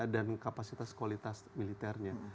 dan kapasitas kualitas militernya